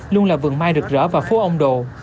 là vườn mai rực rỡ và phố ông đồ